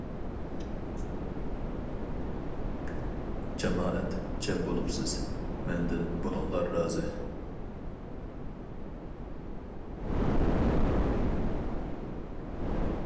جامائەت جەم بولۇپسىز، مەندىن بولۇڭلار رازى.